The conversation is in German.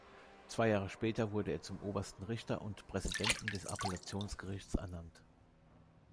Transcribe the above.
Zwei Jahre später wurde er zum Obersten Richter und Präsidenten des Appellationsgerichts ernannt.